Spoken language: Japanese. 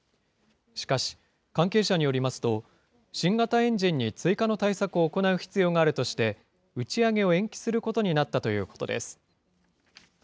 しかし、関係者によりますと、新型エンジンに追加の対策を行う必要があるとして、打ち上げを延期することになったということです。